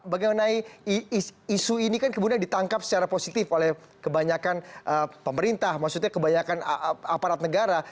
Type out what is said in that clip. bagaimana isu ini kan kemudian ditangkap secara positif oleh kebanyakan pemerintah maksudnya kebanyakan aparat negara